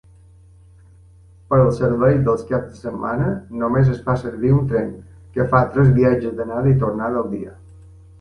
Per al servei dels caps de setmana només es fa servir un tren, que fa tres viatge d'anada i tornada al dia.